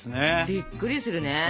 びっくりするね。